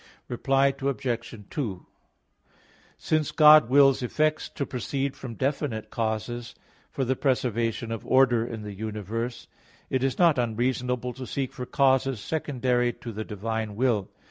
Reply Obj. 2: Since God wills effects to proceed from definite causes, for the preservation of order in the universe, it is not unreasonable to seek for causes secondary to the divine will.